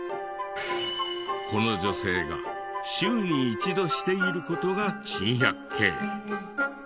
この女性が週に１度している事が珍百景。